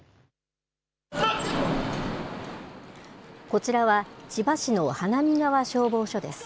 こちらは、千葉市の花見川消防署です。